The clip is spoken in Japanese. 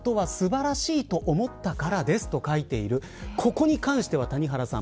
ここに関しては、谷原さん